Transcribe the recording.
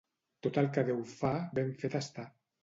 Tot el que Déu fa, ben fet està.